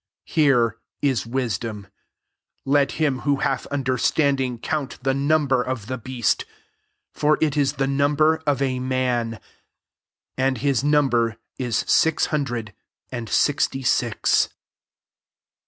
18 Her^ is wisdom. Let him who hath understanding count the number of the beast : for it is the number of a man ; and his number ft six hundred and six ty six.